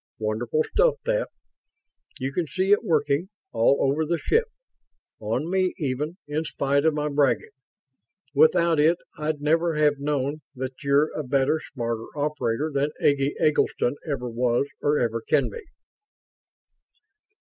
Wonderful stuff, that. You can see it working, all over the ship. On me, even, in spite of my bragging. Without it I'd never have known that you're a better, smarter operator than Eggy Eggleston ever was or ever can be."